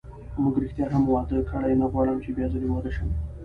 موږ ریښتیا هم واده کړی، نه غواړم چې بیا ځلي واده شم.